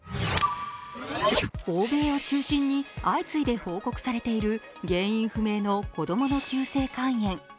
欧米の中心に相次いで報告されている原因不明の子供の急性肝炎。